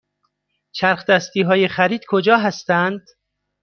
چرخ دستی های خرید کجا هستند؟